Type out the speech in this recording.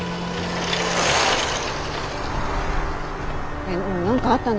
えっ何かあったの？